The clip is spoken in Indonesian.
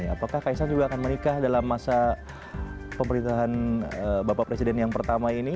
apakah kaisang juga akan menikah dalam masa pemerintahan bapak presiden yang pertama ini